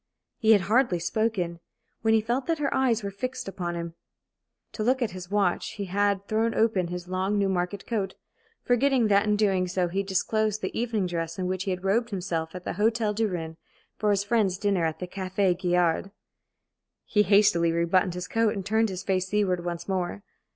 He had hardly spoken, when he felt that her eyes were fixed upon him. To look at his watch, he had thrown open his long Newmarket coat, forgetting that in so doing he disclosed the evening dress in which he had robed himself at the Hôtel du Rhin for his friend's dinner at the Café Gaillard. He hastily rebuttoned his coat, and turned his face seaward once more.